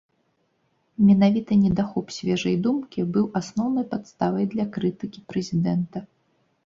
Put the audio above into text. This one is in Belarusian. Менавіта недахоп свежай думкі быў асноўнай падставай для крытыкі прэзідэнта.